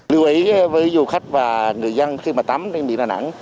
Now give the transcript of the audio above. lưu ý với du khách và người dân khi mà tắm ở biển đà nẵng